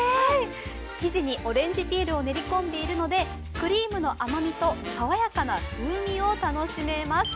生地にオレンジピールを練り込んでいるのでクリームの甘味と爽やかな風味を楽しめます。